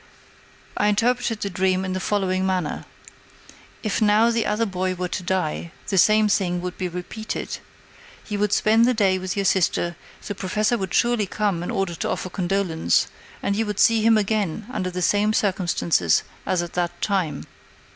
I interpreted the dream in the following manner: "If now the other boy were to die, the same thing would be repeated. You would spend the day with your sister, the Professor would surely come in order to offer condolence, and you would see him again under the same circumstances as at that time.